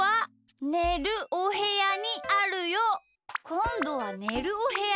こんどはねるおへやか。